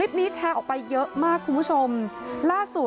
มีแต่เสียงตุ๊กแก่กลางคืนไม่กล้าเข้าห้องน้ำด้วยซ้ำ